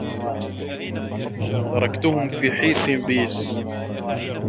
تركتهم في حيص بيص